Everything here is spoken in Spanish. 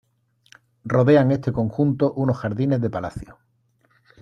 Rodean este conjunto unos jardines de palacio.